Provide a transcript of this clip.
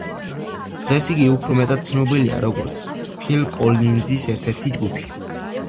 დღეს იგი უფრო მეტად ცნობილია, როგორც ფილ კოლინზის ერთ-ერთი ჯგუფი.